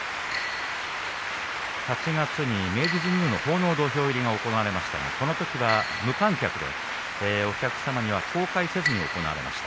８月に明治神宮の奉納土俵入りが行われましたがこのときは無観客でお客様には公開せずに行われました。